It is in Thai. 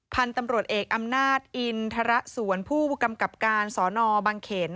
พันธุ์ตำรวจเอกอำนาจอินทรสวนผู้กำกับการสนบางเขน